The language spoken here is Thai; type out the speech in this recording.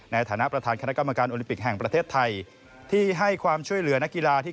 ในฐานะประธานคณะกรรมการโอลิมปิกแห่งประเทศไทยที่ให้ความช่วยเหลือนักกีฬาที่